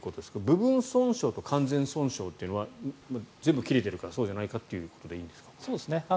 部分損傷と完全損傷というのは全部切れているかそうじゃないかということでいいんですか？